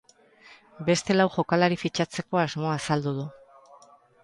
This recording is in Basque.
Beste lau jokalari fitxatzeko asmoa azaldu du.